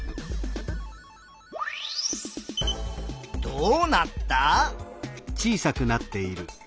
どうなった？